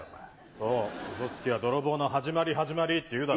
そう嘘つきは泥棒の始まり始まりっていうだろ。